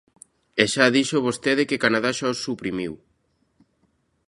E xa dixo vostede que Canadá xa o suprimiu.